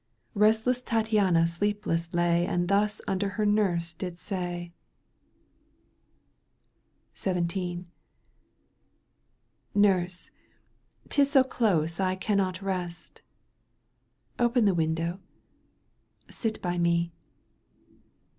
76 Bestless Tattiana sleepless lay And thus unto her nurse did say :— XVII. " Nurse, 'tis so close I cannot rest. Open the window — sit by me."